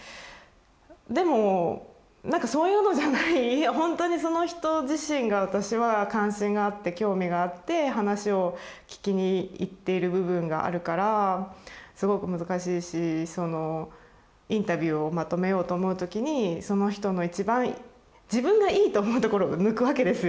でもなんかそういうのじゃないほんとにその人自身が私は関心があって興味があって話を聞きに行っている部分があるからすごく難しいしインタビューをまとめようと思うときにその人の一番自分がいいと思うところを抜くわけですよ。